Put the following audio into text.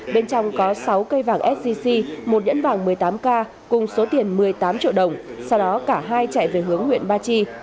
bên trong có sáu cây vàng sgc một nhẫn vàng một mươi tám k cùng số tiền một mươi tám triệu đồng sau đó cả hai chạy về hướng huyện ba chi